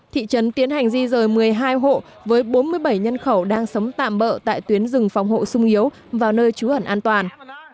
thị trấn tiến hành di rời một mươi hai hộ với bốn mươi bảy nhân khẩu đang sống tạm bỡ tại tuyến rừng phòng hộ sung yếu vào nơi trú ẩn an toàn